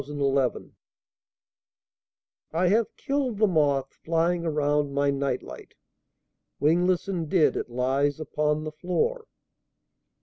Moth Terror I HAVE killed the moth flying around my night light; wingless and dead it lies upon the floor.